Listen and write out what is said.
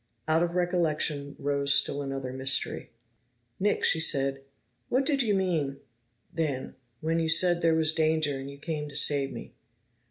Out of recollection rose still another mystery. "Nick," she said, "what did you mean then when you said there was danger and you came to save me?"